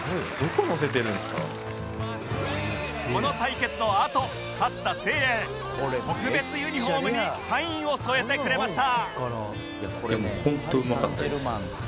この対決のあと勝ったせいやへ特別ユニフォームにサインを添えてくれました